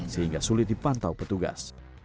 sehingga sulit dipantau petugas